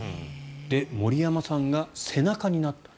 で、森山さんが背中になったと。